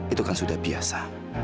itu kan sudah biasa